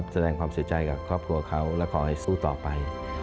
แสดงความเสียใจกับครอบครัวเขาและขอให้สู้ต่อไป